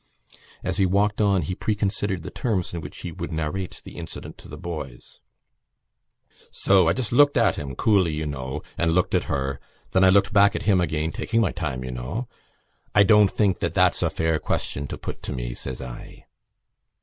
As he walked on he preconsidered the terms in which he would narrate the incident to the boys: "So, I just looked at him—coolly, you know, and looked at her. Then I looked back at him again—taking my time, you know. 'I don't think that that's a fair question to put to me,' says I."